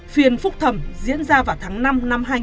phiên phúc thẩm diễn ra vào tháng năm năm hai nghìn hai mươi